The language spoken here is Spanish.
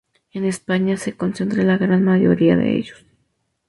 En España se concentra la gran mayoría de ellos.